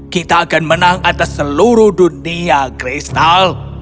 kita akan menang atas seluruh dunia kristal